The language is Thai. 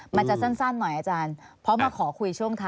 มันจะสั้นหน่อยอาจารย์เพราะมาขอคุยช่วงท้าย